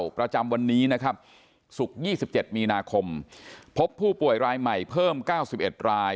ประจำวันนี้นะครับศุกร์๒๗มีนาคมพบผู้ป่วยรายใหม่เพิ่ม๙๑ราย